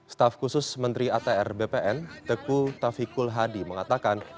staff khusus menteri atr bpn tegu tafikul hadi mengatakan